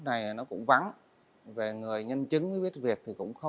nên nạn nhân và nhân chứng không thể nhận dạng được